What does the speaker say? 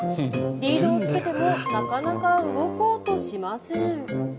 リードをつけてもなかなか動こうとしません。